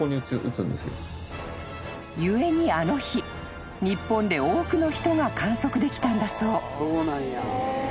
［故にあの日日本で多くの人が観測できたんだそう］